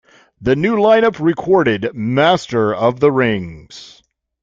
The new lineup recorded "Master of the Rings".